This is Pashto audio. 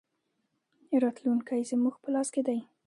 راتلونکی زموږ په لاس کې دی